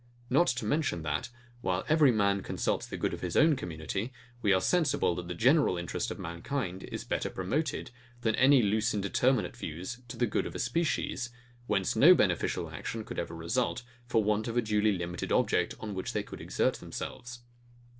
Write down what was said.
Not to mention, that, while every man consults the good of his own community, we are sensible, that the general interest of mankind is better promoted, than any loose indeterminate views to the good of a species, whence no beneficial action could ever result, for want of a duly limited object, on which they could exert themselves.